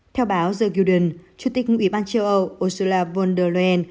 theo báo the guardian chủ tịch nguyễn ban châu âu ursula von der leyen